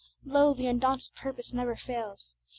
Lo! the undaunted purpose never fails!